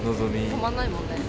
止まんないもんね。